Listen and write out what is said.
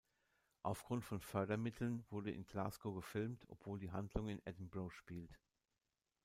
Aufgrund von Fördermitteln wurde in Glasgow gefilmt, obwohl die Handlung in Edinburgh spielt.